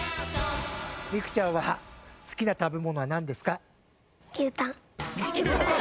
美空ちゃんは好きな食べ物はなんですか？